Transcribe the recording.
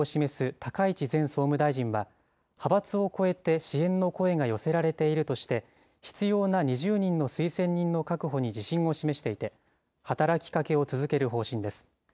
高市前総務大臣は、派閥を超えて支援の声が寄せられているとして、必要な２０人の推薦人の確保に自信を示していて、働きかけを続ける方針です。